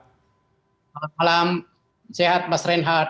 selamat malam sehat mas reinhardt